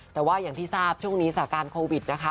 แต่ว่าอย่างที่ที่ทราบช่วงนี้สระการโควิด